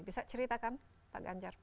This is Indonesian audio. bisa cerita kan pak ganjar